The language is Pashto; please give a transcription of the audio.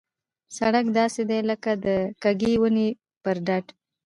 سړک داسې دی لکه د کږې ونې پر ډډ.